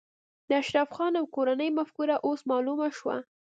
د اشرف خان او کورنۍ مفکوره اوس معلومه شوه